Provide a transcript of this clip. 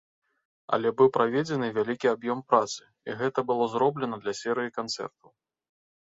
Але быў праведзены вялікі аб'ём працы, і гэта было зроблена для серыі канцэртаў.